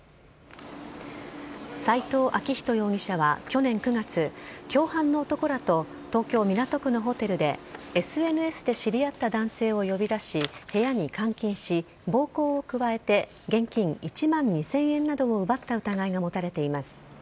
斎藤明人容疑者は去年９月共犯の男らと東京・港区のホテルでＳＮＳで知り合った男性を呼び出し、部屋に監禁し暴行を加えて現金１万２０００円などを奪った疑いが持たれています。